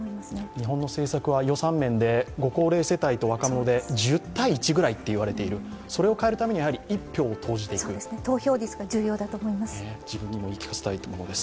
日本の政策は予算面でご高齢世帯と若者で１０対１ぐらいと言われているそれを変えるために一票を投じていく投票率が重要だと思います。